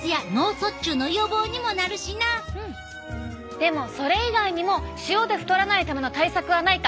でもそれ以外にも塩で太らないための対策はないか？